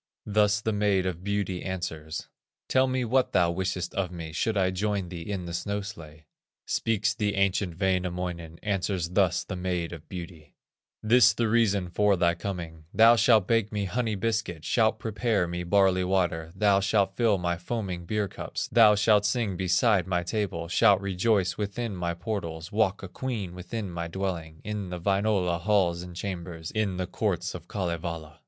Thus the Maid of Beauty answers: "Tell me what thou wishest of me, Should I join thee in the snow sledge." Speaks the ancient Wainamoinen, Answers thus the Maid of Beauty: "This the reason for thy coming: Thou shalt bake me honey biscuit, Shalt prepare me barley water, Thou shalt fill my foaming beer cups, Thou shalt sing beside my table, Shalt rejoice within my portals, Walk a queen within my dwelling, In the Wainola halls and chambers, In the courts of Kalevala."